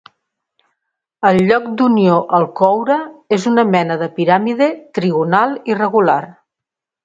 El lloc d'unió al coure és una mena de piràmide trigonal irregular.